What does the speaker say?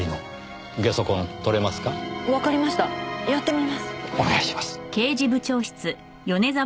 お願いします。